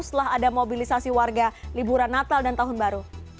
setelah ada mobilisasi warga liburan natal dan tahun baru